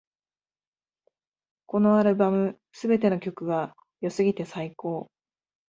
このアルバム、すべての曲が良すぎて最高